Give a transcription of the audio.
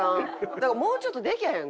だからもうちょっとできへん？